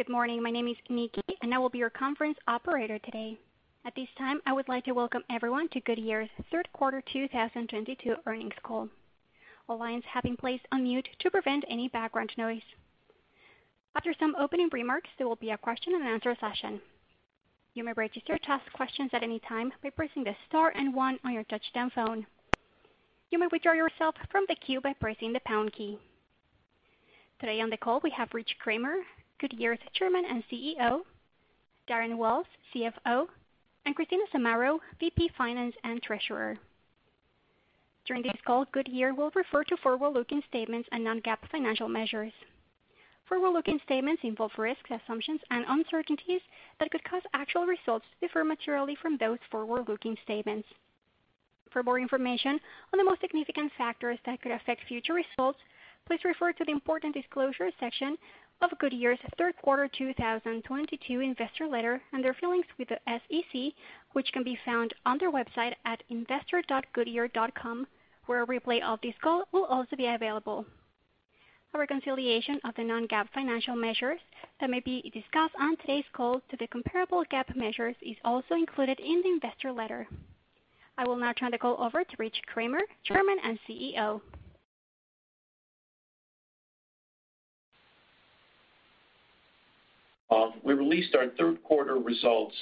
Good morning. My name is Nikki, and I will be your conference operator today. At this time, I would like to welcome everyone to Goodyear's third quarter 2022 earnings call. All lines have been placed on mute to prevent any background noise. After some opening remarks, there will be a question and answer session. You may register to ask questions at any time by pressing the star and one on your touch-tone phone. You may withdraw yourself from the queue by pressing the pound key. Today on the call, we have Rich Kramer, Goodyear's Chairman and CEO, Darren Wells, CFO, and Christina Zamarro, VP Finance and Treasurer. During this call, Goodyear will refer to forward-looking statements and non-GAAP financial measures. Forward-looking statements involve risks, assumptions, and uncertainties that could cause actual results to differ materially from those forward-looking statements. For more information on the most significant factors that could affect future results, please refer to the Important Disclosure section of Goodyear's third quarter 2022 investor letter and their filings with the SEC, which can be found on their website at investor.goodyear.com, where a replay of this call will also be available. A reconciliation of the non-GAAP financial measures that may be discussed on today's call to the comparable GAAP measures is also included in the investor letter. I will now turn the call over to Rich Kramer, Chairman and CEO. We released our third quarter results.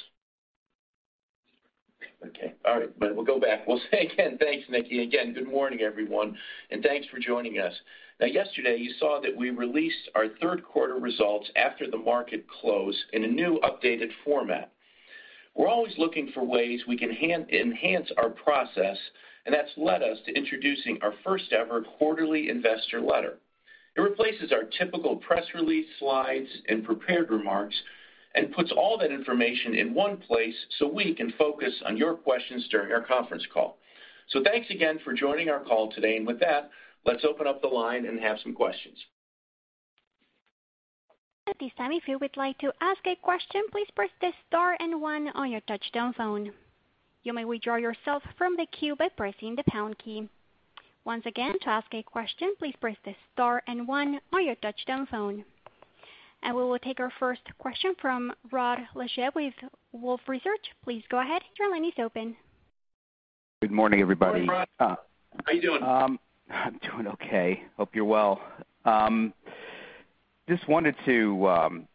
Okay. All right. We'll go back. We'll say again, thanks, Nikki. Again, good morning, everyone, and thanks for joining us. Now, yesterday you saw that we released our third quarter results after the market close in a new updated format. We're always looking for ways we can enhance our process, and that's led us to introducing our first ever quarterly investor letter. It replaces our typical press release slides and prepared remarks and puts all that information in one place so we can focus on your questions during our conference call. Thanks again for joining our call today. With that, let's open up the line and have some questions. At this time, if you would like to ask a question, please press star and one on your touchtone phone. You may withdraw yourself from the queue by pressing the pound key. Once again, to ask a question, please press the star and one on your touchtone phone. We will take our first question from Rod Lache with Wolfe Research. Please go ahead. Your line is open. Good morning, everybody. Good morning, Rod. How you doing? I'm doing okay. Hope you're well. Just wanted to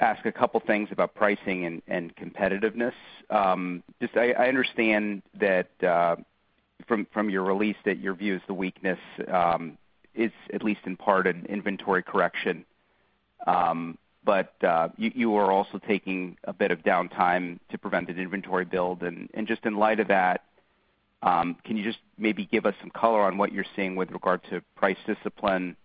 ask a couple things about pricing and competitiveness. Just, I understand that from your release that your view is the weakness is at least in part an inventory correction. You are also taking a bit of downtime to prevent an inventory build. Just in light of that, can you just maybe give us some color on what you're seeing with regard to price discipline?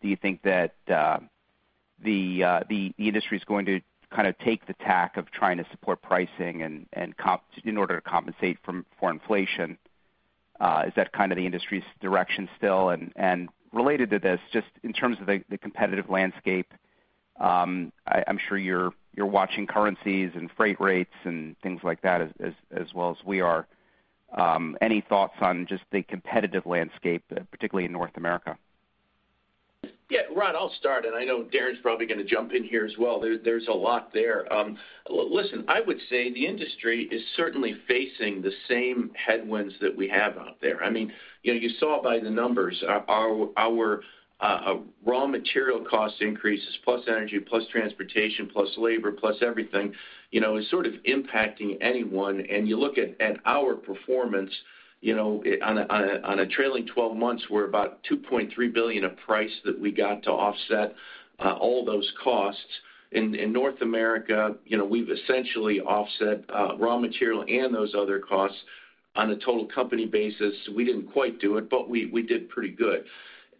Do you think that the industry is going to kind of take the tack of trying to support pricing and in order to compensate for inflation? Is that kind of the industry's direction still? Related to this, just in terms of the competitive landscape, I'm sure you're watching currencies and freight rates and things like that as well as we are. Any thoughts on just the competitive landscape, particularly in North America? Yeah. Rod, I'll start, and I know Darren's probably gonna jump in here as well. There's a lot there. Listen, I would say the industry is certainly facing the same headwinds that we have out there. I mean, you know, you saw it by the numbers. Our raw material cost increases plus energy, plus transportation, plus labor, plus everything, you know, is sort of impacting anyone. You look at our performance, you know, on a trailing 12 months, we're about $2.3 billion of price that we got to offset all those costs. In North America, you know, we've essentially offset raw material and those other costs. On a total company basis, we didn't quite do it, but we did pretty good.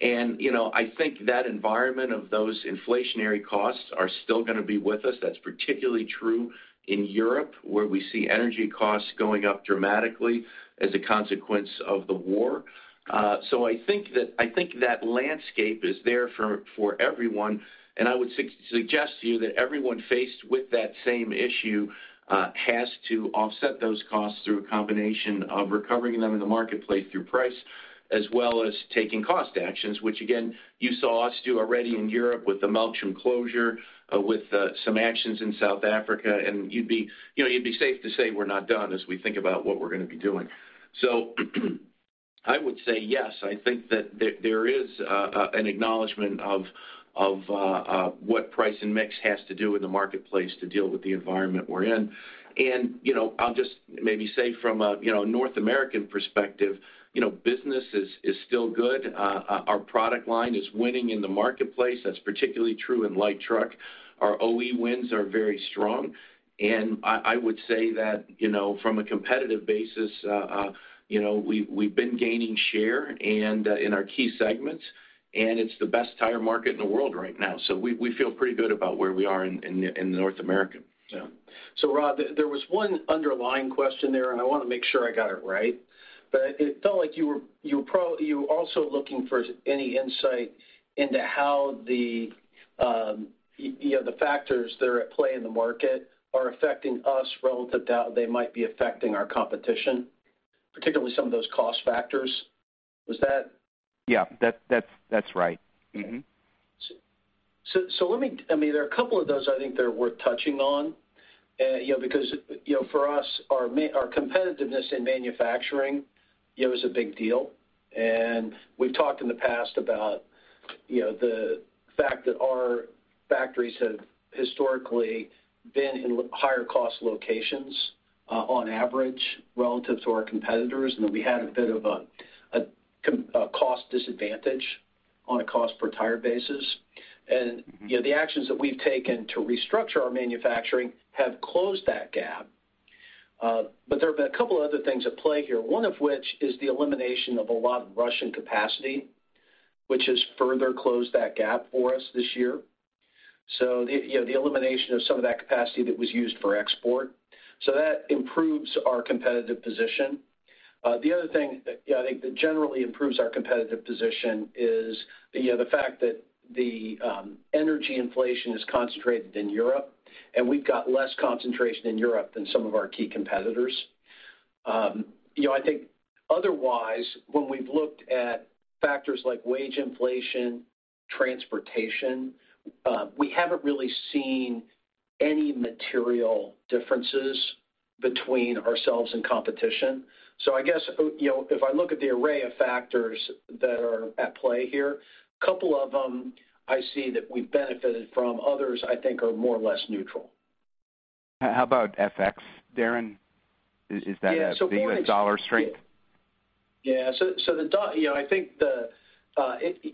You know, I think that environment of those inflationary costs are still gonna be with us. That's particularly true in Europe, where we see energy costs going up dramatically as a consequence of the war. I think that landscape is there for everyone. I would suggest to you that everyone faced with that same issue has to offset those costs through a combination of recovering them in the marketplace through price, as well as taking cost actions, which again, you saw us do already in Europe with the Melksham closure, with some actions in South Africa. You know, you'd be safe to say we're not done as we think about what we're gonna be doing. I would say yes, I think that there is an acknowledgement of what price and mix has to do in the marketplace to deal with the environment we're in. You know, I'll just maybe say from a North American perspective, you know, business is still good. Our product line is winning in the marketplace. That's particularly true in light truck. Our OE wins are very strong. I would say that, you know, from a competitive basis, you know, we've been gaining share in our key segments, and it's the best tire market in the world right now. We feel pretty good about where we are in North America. Yeah. Rod, there was one underlying question there, and I wanna make sure I got it right. It felt like you were also looking for any insight into how the, you know, the factors that are at play in the market are affecting us relative to how they might be affecting our competition. Particularly some of those cost factors. Yeah. That's right. I mean, there are a couple of those I think that are worth touching on. You know, because, you know, for us, our competitiveness in manufacturing, you know, is a big deal. We've talked in the past about, you know, the fact that our factories have historically been in higher cost locations, on average relative to our competitors, and that we had a bit of a cost disadvantage on a cost per tire basis. You know, the actions that we've taken to restructure our manufacturing have closed that gap. There have been a couple other things at play here, one of which is the elimination of a lot of Russian capacity, which has further closed that gap for us this year. You know, the elimination of some of that capacity that was used for export. That improves our competitive position. The other thing, you know, I think that generally improves our competitive position is, you know, the fact that the energy inflation is concentrated in Europe, and we've got less concentration in Europe than some of our key competitors. You know, I think otherwise, when we've looked at factors like wage inflation, transportation, we haven't really seen any material differences between ourselves and competition. I guess, you know, if I look at the array of factors that are at play here, couple of them I see that we've benefited from, others I think are more or less neutral. How about FX, Darren? Is that a- Yeah. U.S. dollar strength? Yeah. You know, I think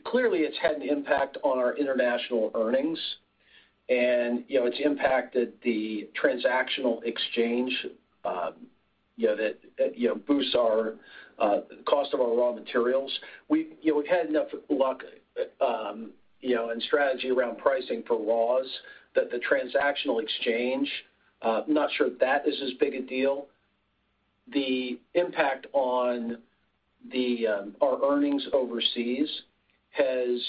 clearly, it's had an impact on our international earnings and, you know, it's impacted the transactional exchange, you know, that boosts our cost of our raw materials. We've, you know, had enough luck, you know, and strategy around pricing for raws that the transactional exchange, I'm not sure that is as big a deal. The impact on our earnings overseas has,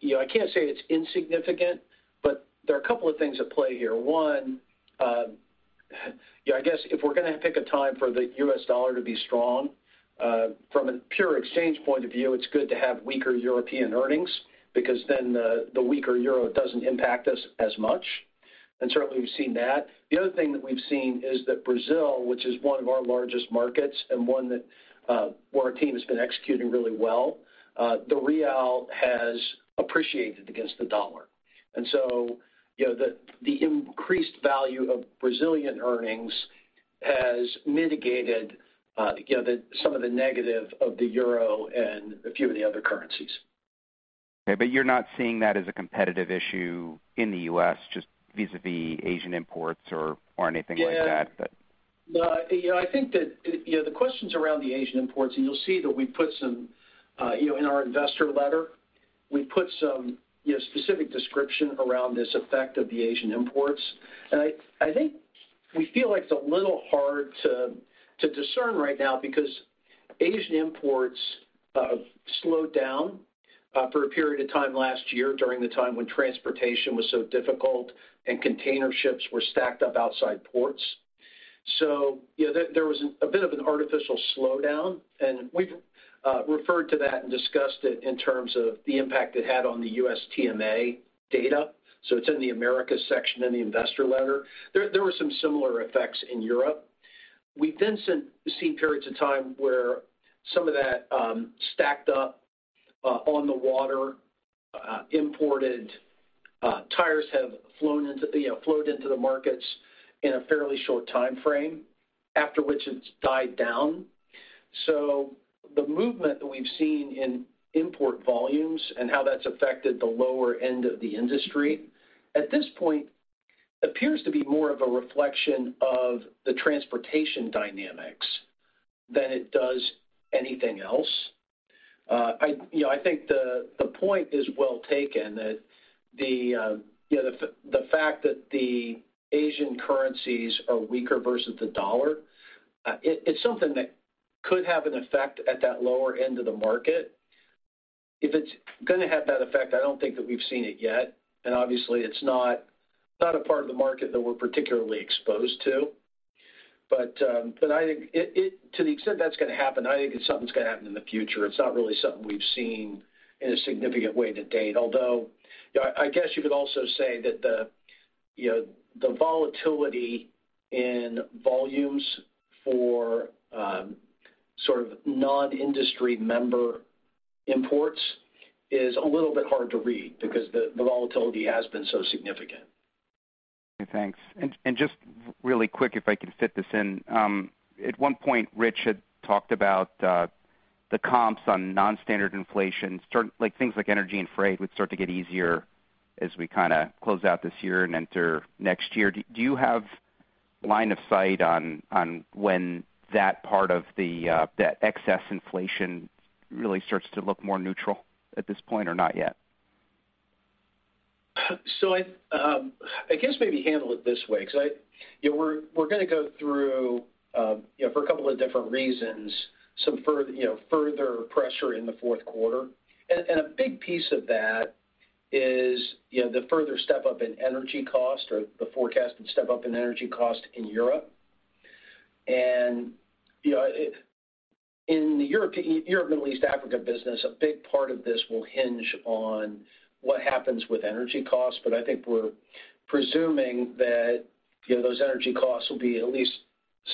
you know, I can't say it's insignificant, but there are a couple of things at play here. One, you know, I guess if we're gonna pick a time for the U.S. dollar to be strong, from a pure exchange point of view, it's good to have weaker European earnings because then the weaker euro doesn't impact us as much. Certainly, we've seen that. The other thing that we've seen is that Brazil, which is one of our largest markets and one that, where our team has been executing really well, the real has appreciated against the dollar. You know, the increased value of Brazilian earnings has mitigated, you know, some of the negative of the euro and a few of the other currencies. Okay. You're not seeing that as a competitive issue in the U.S., just vis-à-vis Asian imports or anything like that? No, you know, I think that the questions around the Asian imports, and you'll see that we put some in our investor letter, specific description around this effect of the Asian imports. I think we feel like it's a little hard to discern right now because Asian imports slowed down for a period of time last year during the time when transportation was so difficult and container ships were stacked up outside ports. You know, there was a bit of an artificial slowdown, and we've referred to that and discussed it in terms of the impact it had on the USTMA data, so it's in the Americas section in the investor letter. There were some similar effects in Europe. We've seen periods of time where some of that stacked up on the water, imported tires have flowed into, you know, the markets in a fairly short timeframe, after which it's died down. The movement that we've seen in import volumes and how that's affected the lower end of the industry at this point appears to be more of a reflection of the transportation dynamics than it does anything else. I think the point is well taken that the fact that the Asian currencies are weaker versus the dollar, it's something that could have an effect at that lower end of the market. If it's gonna have that effect, I don't think that we've seen it yet, and obviously, it's not a part of the market that we're particularly exposed to. To the extent that's gonna happen, I think it's something that's gonna happen in the future. It's not really something we've seen in a significant way to date. Although you know, I guess you could also say that you know the volatility in volumes for sort of non-industry member imports is a little bit hard to read because the volatility has been so significant. Okay, thanks. Just really quick if I can fit this in. At one point, Rich had talked about the comps on non-standard inflation like things like energy and freight would start to get easier as we kinda close out this year and enter next year. Do you have line of sight on when that part of the that excess inflation really starts to look more neutral at this point or not yet? I guess maybe handle it this way 'cause we're gonna go through for a couple of different reasons further pressure in the fourth quarter. A big piece of that is the further step up in energy cost or the forecasted step up in energy cost in Europe. In the Europe, Middle East, Africa business, a big part of this will hinge on what happens with energy costs, but I think we're presuming that those energy costs will be at least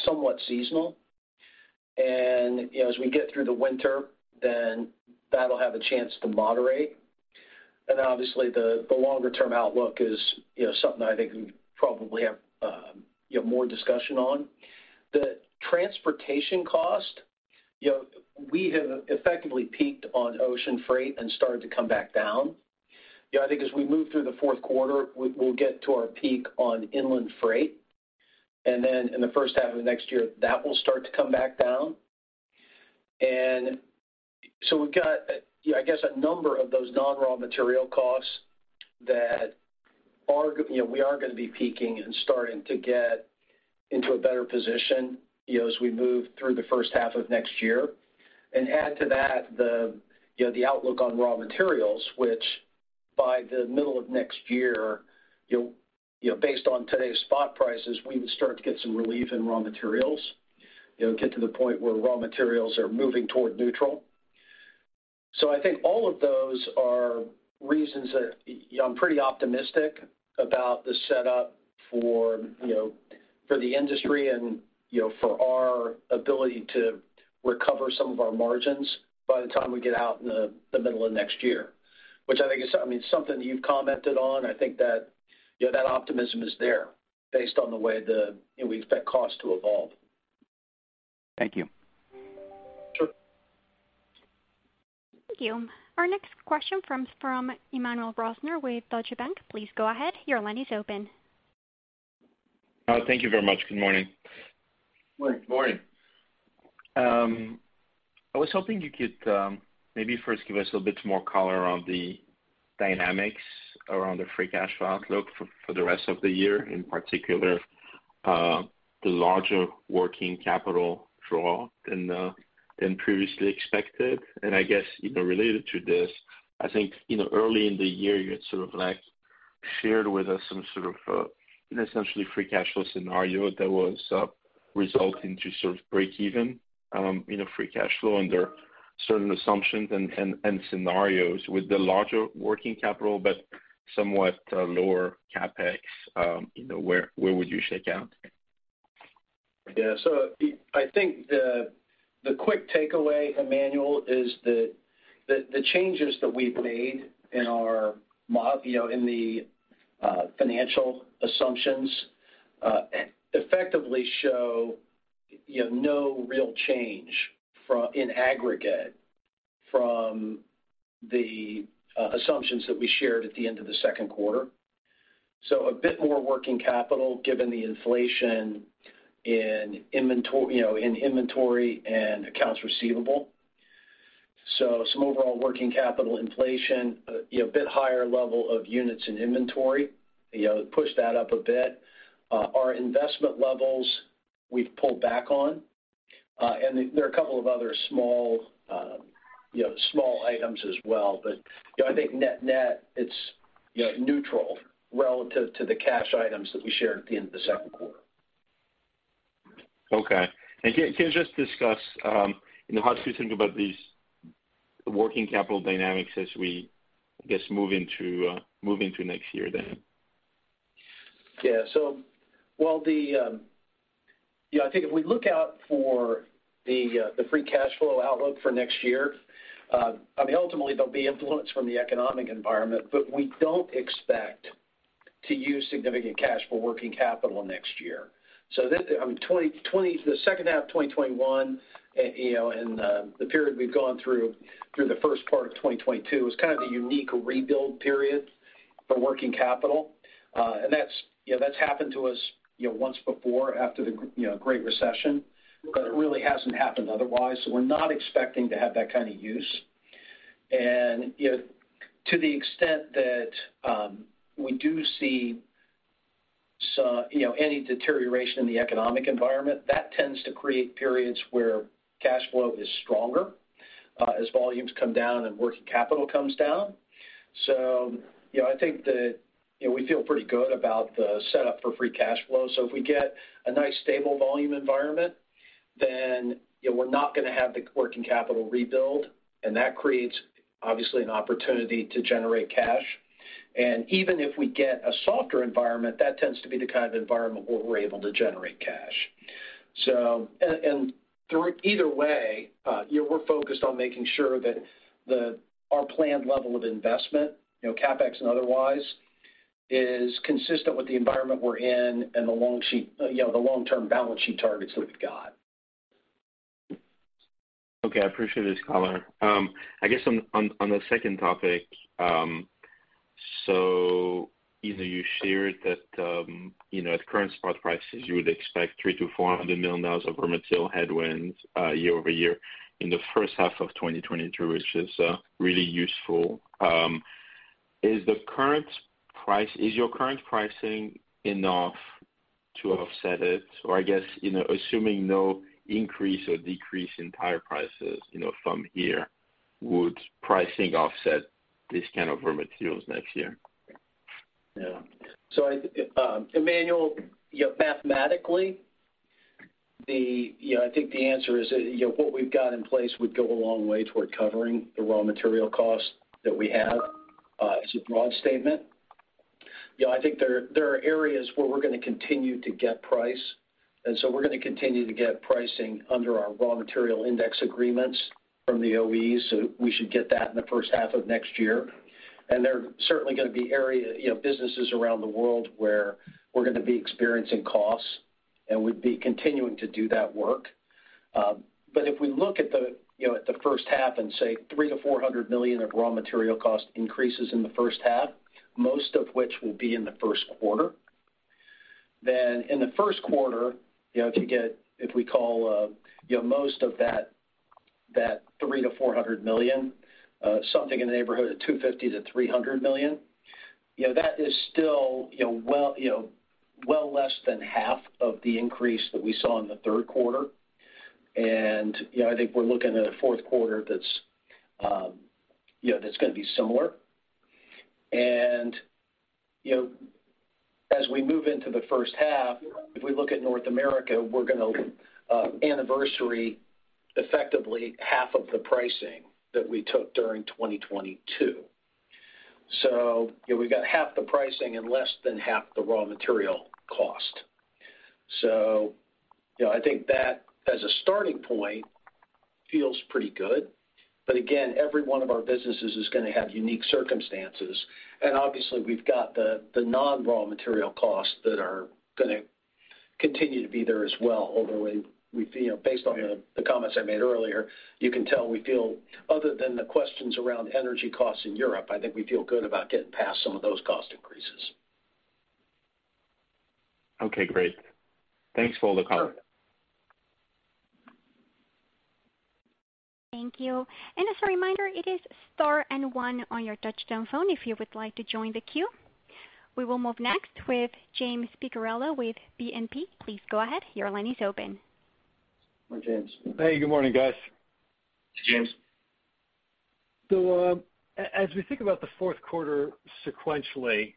somewhat seasonal. As we get through the winter, then that'll have a chance to moderate. Obviously, the longer-term outlook is something I think we probably have more discussion on. The transportation cost, you know, we have effectively peaked on ocean freight and started to come back down. You know, I think as we move through the fourth quarter, we'll get to our peak on inland freight. Then in the first half of next year, that will start to come back down. We've got, you know, I guess, a number of those non-raw material costs that are, you know, we are gonna be peaking and starting to get into a better position, you know, as we move through the first half of next year. Add to that the, you know, the outlook on raw materials, which by the middle of next year, you know, based on today's spot prices, we would start to get some relief in raw materials. You know, get to the point where raw materials are moving toward neutral. I think all of those are reasons that, you know, I'm pretty optimistic about the setup for, you know, for the industry and, you know, for our ability to recover some of our margins by the time we get out in the middle of next year, which I think, I mean, is something you've commented on. I think that, you know, that optimism is there based on the way the, you know, we expect cost to evolve. Thank you. Sure. Thank you. Our next question comes from Emmanuel Rosner with Deutsche Bank. Please go ahead. Your line is open. Thank you very much. Good morning. Good morning. I was hoping you could maybe first give us a bit more color on the dynamics around the free cash flow outlook for the rest of the year, in particular, the larger working capital draw than previously expected. I guess, you know, related to this, I think, you know, early in the year, you had sort of like shared with us some sort of an essentially free cash flow scenario that was resulting to sort of breakeven in a free cash flow under certain assumptions and scenarios with the larger working capital, but somewhat lower CapEx. You know, where would you shake out? Yeah. I think the quick takeaway, Emmanuel, is the changes that we've made in our, you know, in the financial assumptions effectively show, you know, no real change, in aggregate, from the assumptions that we shared at the end of the second quarter. A bit more working capital, given the inflation in inventory and accounts receivable. Some overall working capital inflation, you know, a bit higher level of units in inventory, you know, push that up a bit. Our investment levels we've pulled back on, and there are a couple of other small items as well. I think net-net, it's, you know, neutral relative to the cash items that we shared at the end of the second quarter. Okay. Can you just discuss, you know, how to think about these working capital dynamics as we, I guess, move into next year then? While the, you know, I think if we look out for the free cash flow outlook for next year, I mean, ultimately, there'll be influence from the economic environment, but we don't expect to use significant cash for working capital next year. This, I mean, the second half of 2021, you know, and the period we've gone through the first part of 2022 was kind of a unique rebuild period for working capital. And that's happened to us, you know, once before after the, you know, Great Recession, but it really hasn't happened otherwise. We're not expecting to have that kind of use. You know, to the extent that we do see some, you know, any deterioration in the economic environment, that tends to create periods where cash flow is stronger as volumes come down and working capital comes down. You know, I think you know we feel pretty good about the setup for free cash flow. If we get a nice stable volume environment, then, you know, we're not gonna have the working capital rebuild, and that creates obviously an opportunity to generate cash. Even if we get a softer environment, that tends to be the kind of environment where we're able to generate cash. Either way, you know, we're focused on making sure that our planned level of investment, you know, CapEx and otherwise, is consistent with the environment we're in and the long-term balance sheet targets that we've got. Okay. I appreciate this color. I guess on the second topic, either you shared that, you know, at current spot prices, you would expect $300 million-$400 million of raw material headwinds, year-over-year in the first half of 2022, which is really useful. Is your current pricing enough to offset it. I guess, you know, assuming no increase or decrease in tire prices, you know, from here, would pricing offset this kind of raw materials next year? Yeah. Emmanuel, you know, mathematically, you know, I think the answer is, you know, what we've got in place would go a long way toward covering the raw material costs that we have. It's a broad statement. You know, I think there are areas where we're gonna continue to get price, and so we're gonna continue to get pricing under our raw material index agreements from the OEs. We should get that in the first half of next year. There are certainly gonna be areas, you know, businesses around the world where we're gonna be experiencing costs, and we'd be continuing to do that work. If we look at the, you know, at the first half and say $300 million-$400 million of raw material cost increases in the first half, most of which will be in the first quarter, then in the first quarter, you know, if we call most of that $300 million- $400 million, something in the neighborhood of $250 million-$300 million, you know, that is still, you know, well, you know, well less than half of the increase that we saw in the third quarter. You know, I think we're looking at a fourth quarter that's, you know, that's gonna be similar. You know, as we move into the first half, if we look at North America, we're gonna anniversary effectively half of the pricing that we took during 2022. You know, we've got half the pricing and less than half the raw material cost. You know, I think that as a starting point feels pretty good. Again, every one of our businesses is gonna have unique circumstances. Obviously, we've got the non-raw material costs that are gonna continue to be there as well. Overall, we feel, based on the comments I made earlier, you can tell we feel other than the questions around energy costs in Europe. I think we feel good about getting past some of those cost increases. Okay, great. Thanks for the color. Thank you. As a reminder, it is star and one on your touchtone phone if you would like to join the queue. We will move next with James Picariello with BNP. Please go ahead. Your line is open. Hi, James. Hey, good morning, guys. James. As we think about the fourth quarter sequentially,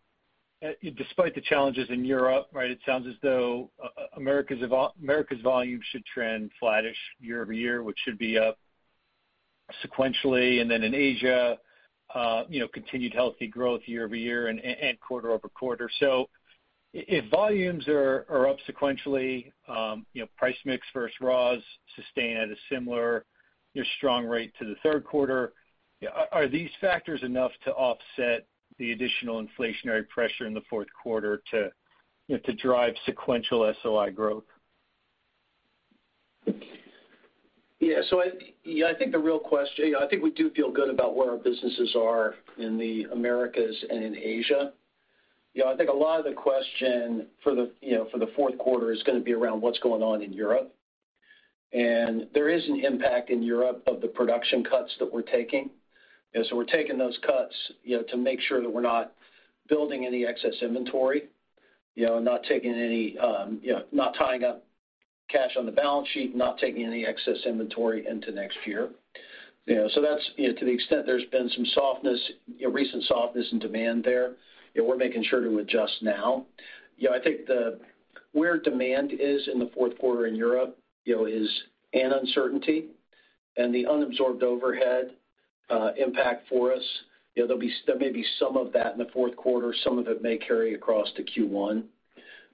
despite the challenges in Europe, right, it sounds as though Americas volume should trend flattish year-over-year, which should be up sequentially. Then in Asia, you know, continued healthy growth year-over-year and quarter-over-quarter. If volumes are up sequentially, you know, price mix versus raws sustain at a similar, your strong rate to the third quarter, are these factors enough to offset the additional inflationary pressure in the fourth quarter to, you know, to drive sequential SOI growth? Yeah, I think the real question. You know, I think we do feel good about where our businesses are in the Americas and in Asia. You know, I think a lot of the question for the fourth quarter is gonna be around what's going on in Europe. There is an impact in Europe of the production cuts that we're taking. We're taking those cuts, you know, to make sure that we're not building any excess inventory, you know, not taking any, you know, not tying up cash on the balance sheet, not taking any excess inventory into next year. You know, that's, you know, to the extent there's been some softness, you know, recent softness in demand there, you know, we're making sure to adjust now. You know, I think where the demand is in the fourth quarter in Europe, you know, is an uncertainty. The unabsorbed overhead impact for us, you know, there may be some of that in the fourth quarter, some of it may carry across to Q1.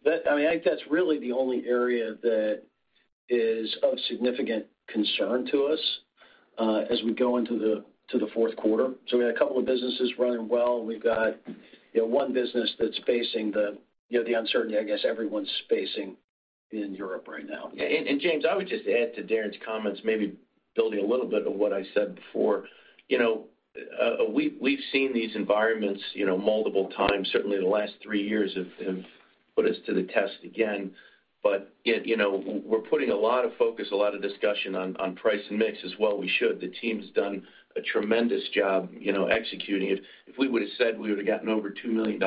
I mean, I think that's really the only area that is of significant concern to us as we go into the fourth quarter. We had a couple of businesses running well. We've got, you know, one business that's facing the, you know, the uncertainty I guess everyone's facing in Europe right now. James, I would just add to Darren's comments, maybe building a little bit of what I said before. You know, we've seen these environments, you know, multiple times. Certainly the last three years have put us to the test again. You know, we're putting a lot of focus, a lot of discussion on price and mix as well we should. The team's done a tremendous job, you know, executing it. If we would've said we would've gotten over $2 billion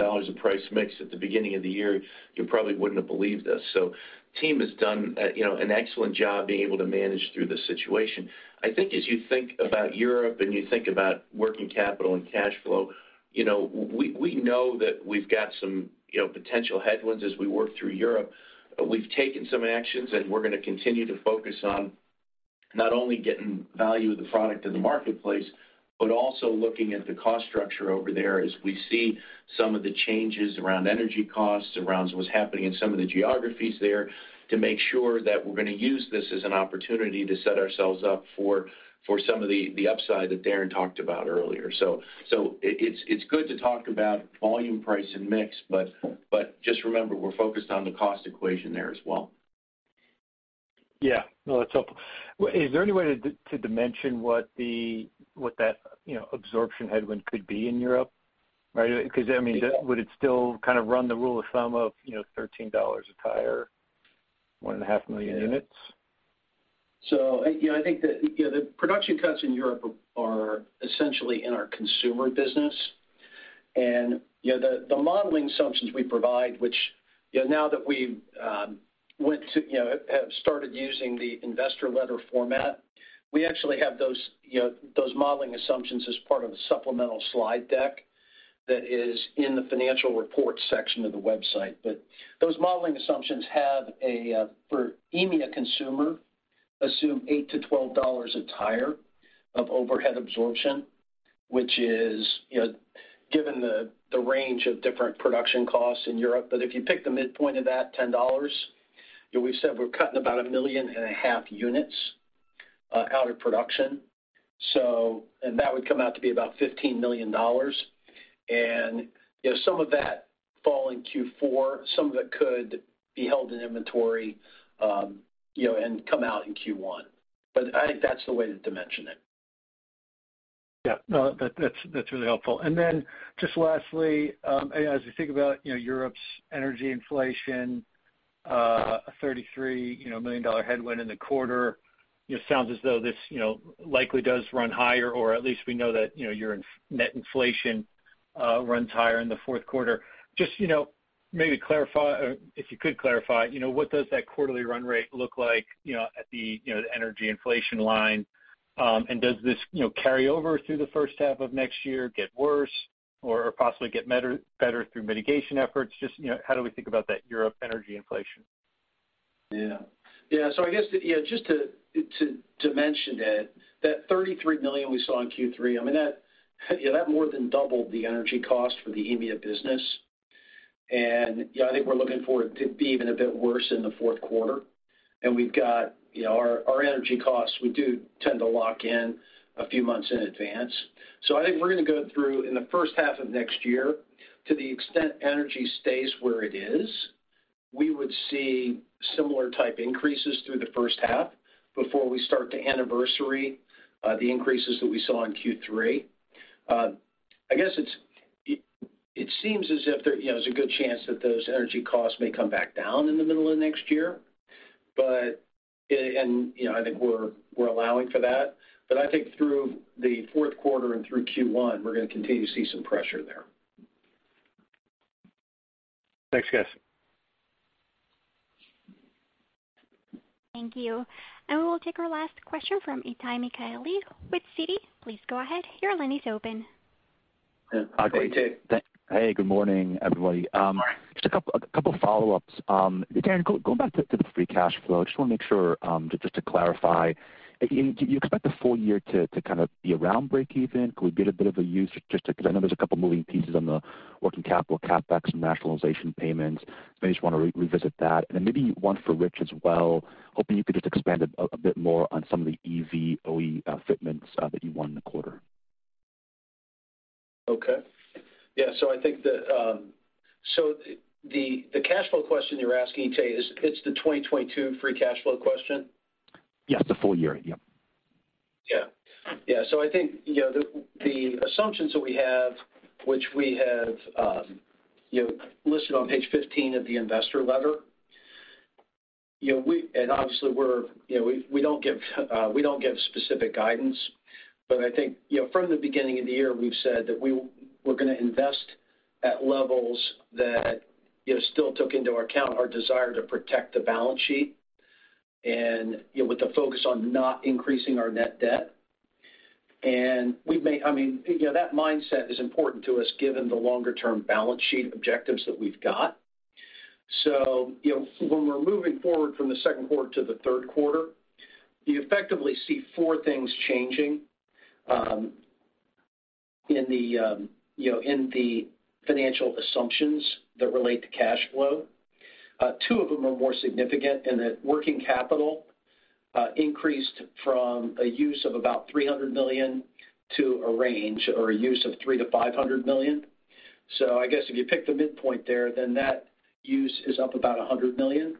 of price mix at the beginning of the year, you probably wouldn't have believed us. Team has done, you know, an excellent job being able to manage through this situation. I think as you think about Europe and you think about working capital and cash flow, you know, we know that we've got some, you know, potential headwinds as we work through Europe. We've taken some actions, and we're gonna continue to focus on not only getting value of the product in the marketplace, but also looking at the cost structure over there as we see some of the changes around energy costs, around what's happening in some of the geographies there, to make sure that we're gonna use this as an opportunity to set ourselves up for some of the upside that Darren talked about earlier. It's good to talk about volume price and mix, but just remember, we're focused on the cost equation there as well. Yeah. No, that's helpful. Well, is there any way to dimension what that, you know, absorption headwind could be in Europe, right? Because, I mean, would it still kind of run the rule of thumb of, you know, $13 a tire, 1.5 million units? You know, I think that, you know, the production cuts in Europe are essentially in our consumer business. You know, the modeling assumptions we provide, which, you know, now that we went to, you know, have started using the investor letter format, we actually have those, you know, those modeling assumptions as part of the supplemental slide deck that is in the financial report section of the website. Those modeling assumptions have, for EMEA consumer, assume $8-$12 a tire of overhead absorption, which is, you know, given the range of different production costs in Europe. If you pick the midpoint of that $10, we've said we're cutting about 1.5 million units out of production. That would come out to be about $15 million. You know, some of that fall in Q4, some of it could be held in inventory, you know, and come out in Q1. I think that's the way to dimension it. Yeah. No, that's really helpful. Just lastly, as you think about Europe's Energy Inflation, $33 million headwind in the quarter, sounds as though this likely does run higher or at least we know that your net inflation runs higher in the fourth quarter. Just maybe clarify or if you could clarify, what does that quarterly run rate look like at the energy inflation line? And does this carry over through the first half of next year, get worse or possibly get better through mitigation efforts? Just how do we think about that Europe Energy Inflation? I guess, you know, just to mention it, that $33 million we saw in Q3 more than doubled the energy cost for the EMEA business. I think we're looking for it to be even a bit worse in the fourth quarter. We've got our energy costs, we do tend to lock in a few months in advance. I think we're gonna go through in the first half of next year. To the extent energy stays where it is, we would see similar type increases through the first half before we start to anniversary the increases that we saw in Q3. I guess it seems as if there's a good chance that those energy costs may come back down in the middle of next year. You know, I think we're allowing for that. I think through the fourth quarter and through Q1, we're gonna continue to see some pressure there. Thanks, guys. Thank you. We'll take our last question from Itay Michaeli with Citi. Please go ahead, your line is open. Yeah. Hi, Itay. Hey, good morning, everybody. Just a couple follow-ups. Darren, go back to the free cash flow. I just wanna make sure, just to clarify, do you expect the full year to kind of be around breakeven? Could we get a bit of a view just to because I know there's a couple moving pieces on the working capital CapEx and nationalization payments. I just wanna revisit that. Then maybe one for Rich as well. Hoping you could just expand a bit more on some of the EV OE fitments that you won in the quarter. Okay. Yeah. I think the cash flow question you're asking, Itay, is it's the 2022 free cash flow question? Yes, the full year. Yep. I think the assumptions that we have, which we have listed on page 15 of the investor letter. Obviously we're not giving specific guidance. I think from the beginning of the year, we've said that we're gonna invest at levels that still took into account our desire to protect the balance sheet with the focus on not increasing our net debt. That mindset is important to us given the long-term balance sheet objectives that we've got. When we're moving forward from the second quarter to the third quarter, you effectively see four things changing in the financial assumptions that relate to cash flow. Two of them are more significant in that working capital increased from a use of about $300 million to a range or a use of $300 million-$500 million. I guess if you pick the midpoint there, then that use is up about $100 million.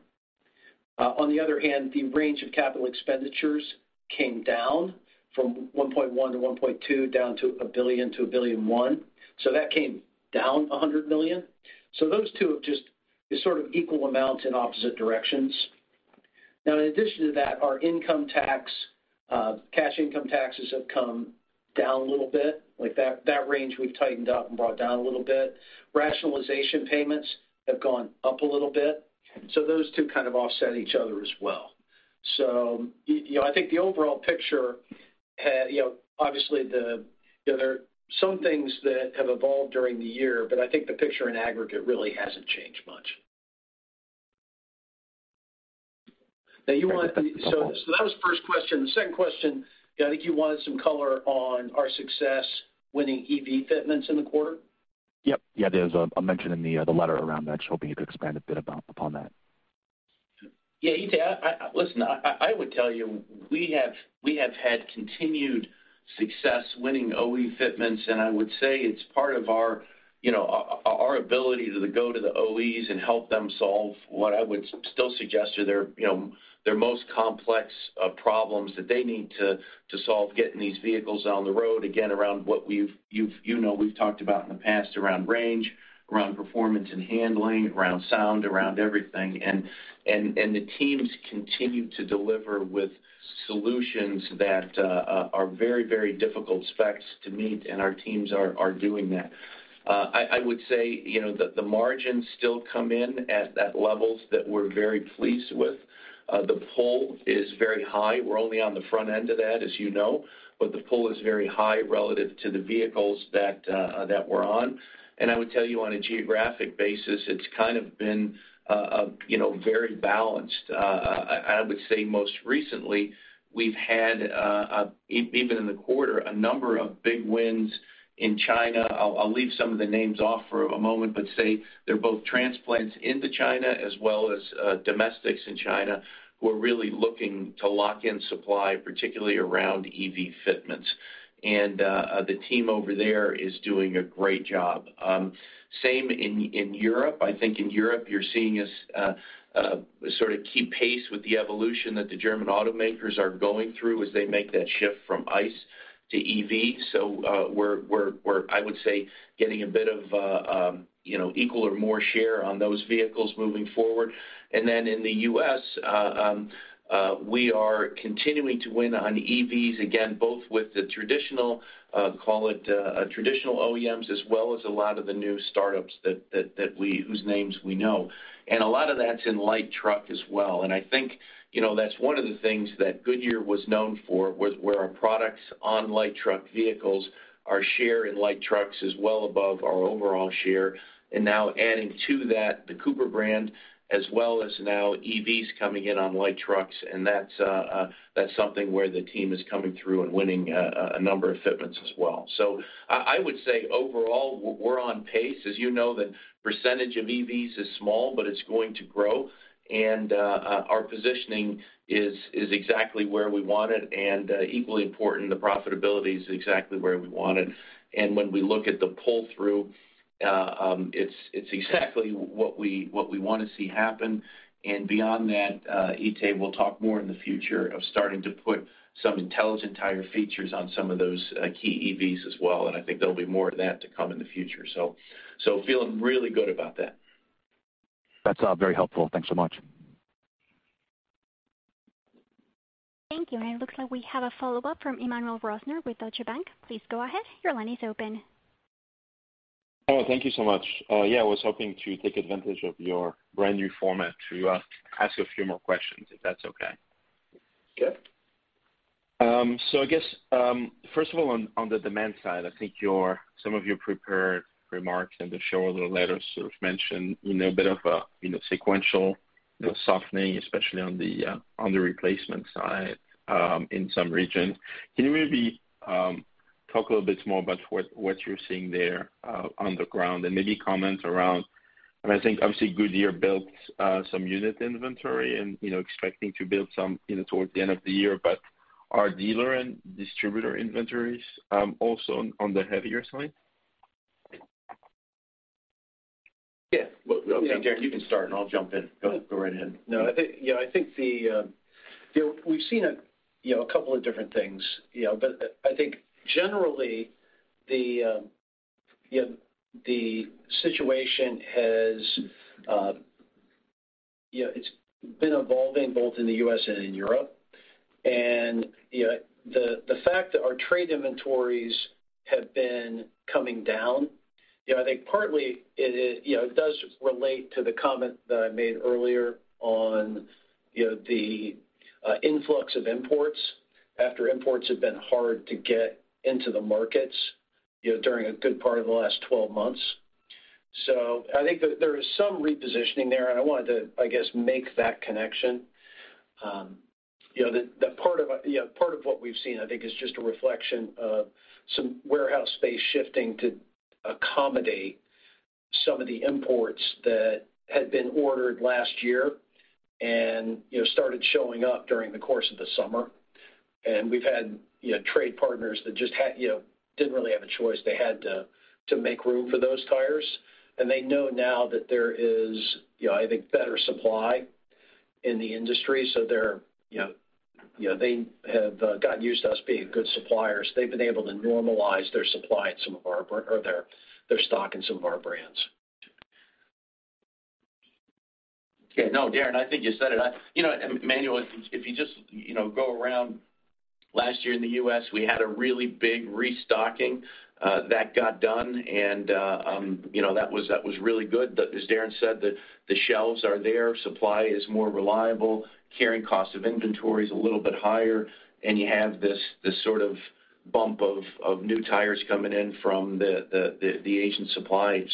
On the other hand, the range of capital expenditures came down from $1.1 billion-$1.2 billion down to $1 billion-$1.1 billion. That came down $100 million. Those two have just sort of equal amounts in opposite directions. Now, in addition to that, our income tax cash income taxes have come down a little bit. Like, that range we've tightened up and brought down a little bit. Rationalization payments have gone up a little bit. Those two kind of offset each other as well. you know, I think the overall picture had, you know, obviously. You know, there are some things that have evolved during the year, but I think the picture in aggregate really hasn't changed much. Now you want- Thank you. That was the first question. The second question, I think you wanted some color on our success winning EV fitments in the quarter. Yep. Yeah, there's a mention in the letter around that. Just hoping you could expand a bit about upon that. Yeah, Itay, listen, I would tell you, we have had continued success winning OE fitments, and I would say it's part of our, you know, our ability to go to the OEs and help them solve what I would still suggest are their, you know, their most complex problems that they need to solve getting these vehicles on the road, again, around what you know, we've talked about in the past around range, around performance and handling, around sound, around everything. The teams continue to deliver with solutions that are very, very difficult specs to meet, and our teams are doing that. I would say, you know, the margins still come in at levels that we're very pleased with. The pull is very high. We're only on the front end of that, as you know, but the pull is very high relative to the vehicles that we're on. I would tell you on a geographic basis, it's kind of been very balanced. I would say most recently we've had even in the quarter, a number of big wins in China. I'll leave some of the names off for a moment, but say they're both transplants into China as well as domestics in China who are really looking to lock in supply, particularly around EV fitments. The team over there is doing a great job. Same in Europe. I think in Europe you're seeing us sort of keep pace with the evolution that the German automakers are going through as they make that shift from ICE to EV. We're, I would say, getting a bit of, you know, equal or more share on those vehicles moving forward. In the U.S., we are continuing to win on EVs, again, both with the traditional, call it, traditional OEMs as well as a lot of the new startups whose names we know. A lot of that's in light truck as well. I think, you know, that's one of the things that Goodyear was known for, was where our products on light truck vehicles, our share in light trucks is well above our overall share. Now adding to that, the Cooper brand as well as now EVs coming in on light trucks, and that's something where the team is coming through and winning a number of fitments as well. I would say overall we're on pace. As you know, the percentage of EVs is small, but it's going to grow. Our positioning is exactly where we want it, and equally important, the profitability is exactly where we want it. When we look at the pull through, it's exactly what we wanna see happen. Beyond that, Itay, we'll talk more in the future of starting to put some Intelligent Tire features on some of those key EVs as well, and I think there'll be more of that to come in the future. Feeling really good about that. That's very helpful. Thanks so much. Thank you. It looks like we have a follow-up from Emmanuel Rosner with Deutsche Bank. Please go ahead. Your line is open. Oh, thank you so much. Yeah, I was hoping to take advantage of your brand-new format to ask a few more questions, if that's okay. Sure. I guess, first of all, on the demand side, I think some of your prepared remarks in the shareholder letter sort of mentioned, you know, a bit of a, you know, sequential, you know, softening, especially on the replacement side, in some regions. Can you maybe talk a little bit more about what you're seeing there on the ground? I think obviously Goodyear built some unit inventory and, you know, expecting to build some, you know, towards the end of the year. Are dealer and distributor inventories also on the heavier side? Yeah. Well, Darren, you can start, and I'll jump in. Go right ahead. No, I think, you know, we've seen a couple of different things, you know. I think generally, you know, the situation has, you know, it's been evolving both in the U.S. and in Europe. You know, the fact that our trade inventories have been coming down, you know, I think partly it is, you know, it does relate to the comment that I made earlier on, you know, the influx of imports after imports have been hard to get into the markets, you know, during a good part of the last 12 months. I think there is some repositioning there, and I wanted to, I guess, make that connection. You know, the part of what we've seen, I think, is just a reflection of some warehouse space shifting to accommodate some of the imports that had been ordered last year and, you know, started showing up during the course of the summer. We've had, you know, trade partners that just had, you know, didn't really have a choice. They had to make room for those tires. They know now that there is, you know, I think, better supply in the industry. They have gotten used to us being good suppliers. They've been able to normalize their supply at some of our or their stock in some of our brands. Okay. No, Darren, I think you said it. You know, and Emmanuel, if you just, you know, go around, last year in the U.S., we had a really big restocking that got done and, you know, that was really good. As Darren said, the shelves are there, supply is more reliable, carrying cost of inventory is a little bit higher, and you have this sort of. Bump of new tires coming in from the Asian supply.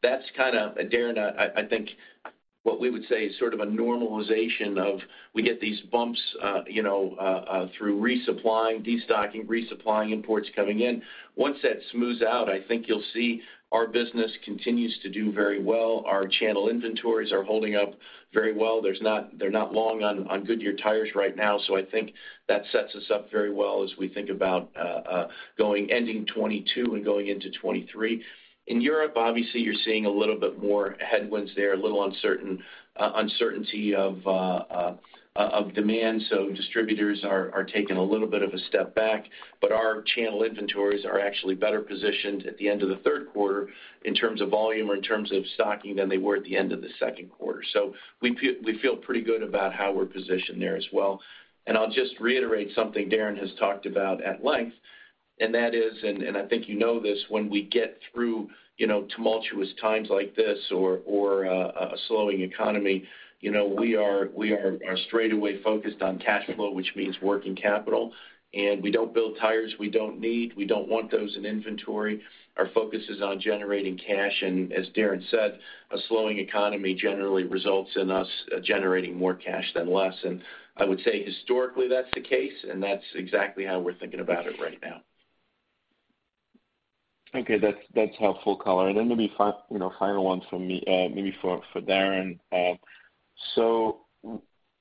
That's kind of, Darren, I think what we would say is sort of a normalization of we get these bumps through resupplying, destocking, resupplying imports coming in. Once that smooths out, I think you'll see our business continues to do very well. Our channel inventories are holding up very well. They're not long on Goodyear tires right now, so I think that sets us up very well as we think about ending 2022 and going into 2023. In Europe, obviously, you're seeing a little bit more headwinds there, a little uncertainty of demand, so distributors are taking a little bit of a step back. Our channel inventories are actually better positioned at the end of the third quarter in terms of volume or in terms of stocking than they were at the end of the second quarter. We feel pretty good about how we're positioned there as well. I'll just reiterate something Darren has talked about at length, and that is, I think you know this, when we get through, you know, tumultuous times like this or a slowing economy, you know, we are straightaway focused on cash flow, which means working capital. We don't build tires we don't need. We don't want those in inventory. Our focus is on generating cash. As Darren said, a slowing economy generally results in us generating more cash than less. I would say historically that's the case, and that's exactly how we're thinking about it right now. Okay. That's helpful color. Then maybe you know, final one from me, maybe for Darren.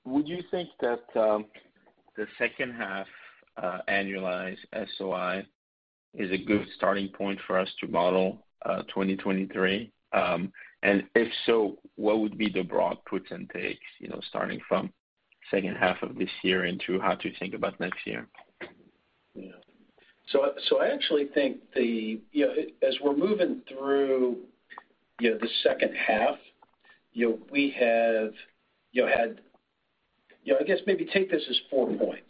Would you think that the second half annualized SOI is a good starting point for us to model 2023? If so, what would be the broad puts and takes, you know, starting from second half of this year into how to think about next year? I actually think you know, as we're moving through you know, the second half, you know, we have had you know, I guess maybe take this as four points.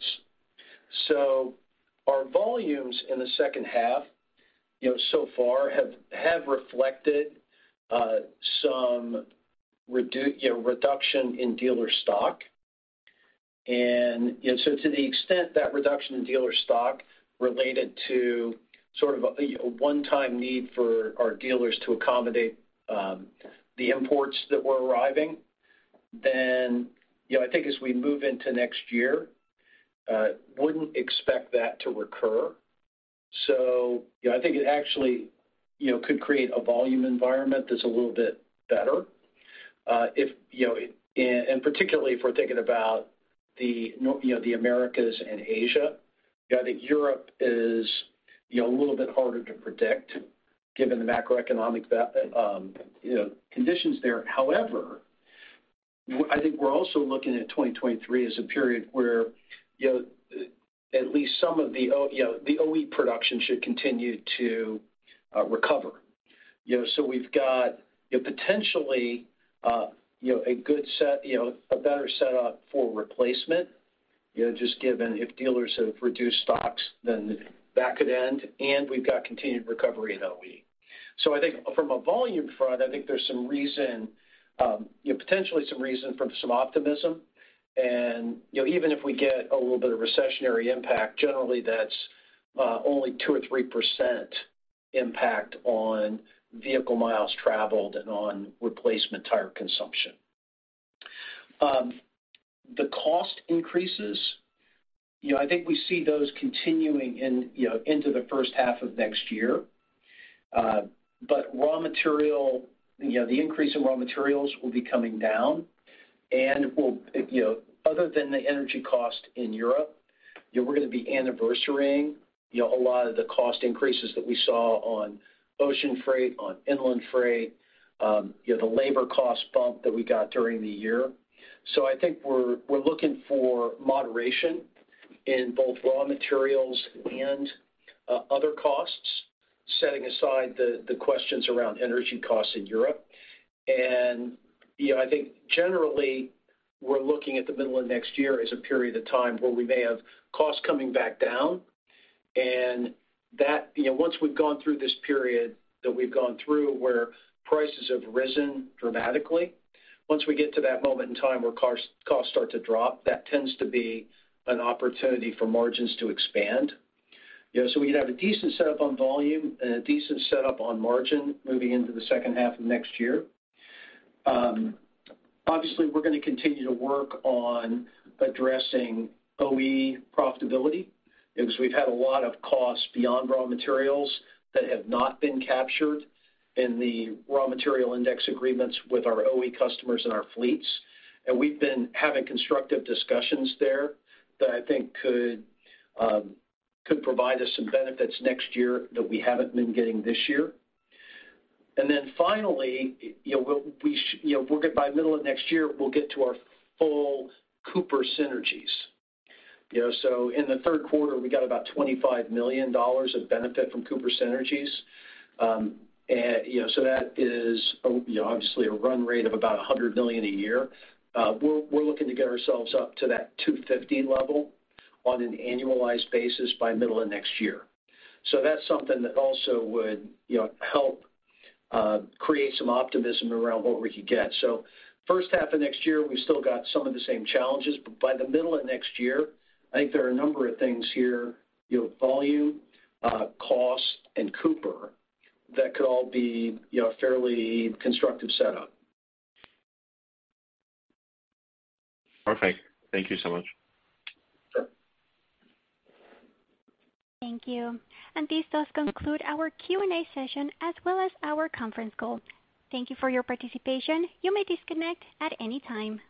Our volumes in the second half, you know, so far have reflected some reduction in dealer stock. You know, to the extent that reduction in dealer stock related to sort of a you know, one-time need for our dealers to accommodate the imports that were arriving, then you know, I think as we move into next year, wouldn't expect that to recur. You know, I think it actually you know, could create a volume environment that's a little bit better if you know. Particularly if we're thinking about the Americas and Asia. You know, I think Europe is a little bit harder to predict given the macroeconomic conditions there. However, I think we're also looking at 2023 as a period where you know, at least some of the OE, you know, the OE production should continue to recover. You know, so we've got you know, potentially you know, a good set, you know, a better setup for replacement, you know, just given if dealers have reduced stocks, then that could end, and we've got continued recovery in OE. So I think from a volume front, I think there's some reason you know, potentially some reason for some optimism. You know, even if we get a little bit of recessionary impact, generally that's only 2% or 3% impact on vehicle miles traveled and on replacement tire consumption. The cost increases, you know, I think we see those continuing in, you know, into the first half of next year. But raw material, you know, the increase in raw materials will be coming down. We'll, you know, other than the energy cost in Europe, you know, we're gonna be anniversarying, you know, a lot of the cost increases that we saw on ocean freight, on inland freight, you know, the labor cost bump that we got during the year. I think we're looking for moderation in both raw materials and, uh, other costs, setting aside the questions around energy costs in Europe. You know, I think generally, we're looking at the middle of next year as a period of time where we may have costs coming back down. That, you know, once we've gone through this period that we've gone through where prices have risen dramatically, once we get to that moment in time where costs start to drop, that tends to be an opportunity for margins to expand. You know, so we'd have a decent setup on volume and a decent setup on margin moving into the second half of next year. Obviously, we're gonna continue to work on addressing OE profitability because we've had a lot of costs beyond raw materials that have not been captured in the raw material index agreements with our OE customers and our fleets. We've been having constructive discussions there that I think could provide us some benefits next year that we haven't been getting this year. Finally, you know, we'll get by middle of next year, we'll get to our full Cooper synergies. You know, so in the third quarter, we got about $25 million of benefit from Cooper synergies. You know, so that is obviously a run rate of about $100 million a year. We're looking to get ourselves up to that $250 million level on an annualized basis by middle of next year. That's something that also would, you know, help create some optimism around what we could get. First half of next year, we've still got some of the same challenges, but by the middle of next year, I think there are a number of things here, you know, volume, cost, and Cooper that could all be, you know, a fairly constructive setup. Perfect. Thank you so much. Sure. Thank you. This does conclude our Q&A session as well as our conference call. Thank you for your participation. You may disconnect at any time.